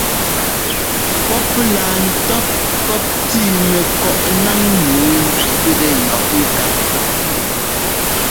Pɔ́p laa ńtɔ́ pɔ́p tíi mɛkɔꞌ ńnáŋ nǔu ńzẅíꞌtɛ yɔ̌p ŋká.